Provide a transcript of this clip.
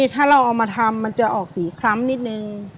ถ้าเราเอามาทำมันจะออกสีคล้ำนิดนึง